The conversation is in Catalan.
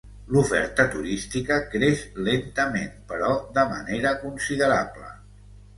L'oferta turística creix lentament, però de manera considerable.